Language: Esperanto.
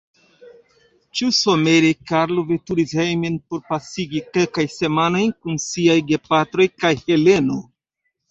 Ĉiusomere Karlo veturis hejmen por pasigi kelkajn semajnojn kun siaj gepatroj kaj Heleno.